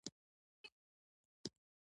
باد د مسافرو همسفر دی